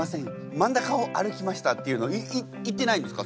真ん中を歩きました」っていうの言ってないんですか？